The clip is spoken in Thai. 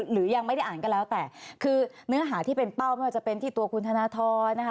หรือยังไม่ได้อ่านก็แล้วแต่คือเนื้อหาที่เป็นเป้าไม่ว่าจะเป็นที่ตัวคุณธนทรนะคะ